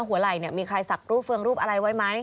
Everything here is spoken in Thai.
หัวไหล่เนี่ยมีใครสักรูปฟื้องรูปอะไรไว้ไหม